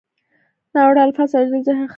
ناوړه الفاظ اورېدل ذهن خرابوي.